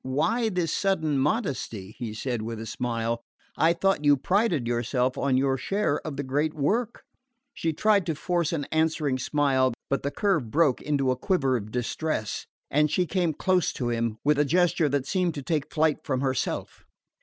"Why this sudden modesty?" he said with a smile. "I thought you prided yourself on your share in the great work." She tried to force an answering smile, but the curve broke into a quiver of distress, and she came close to him, with a gesture that seemed to take flight from herself.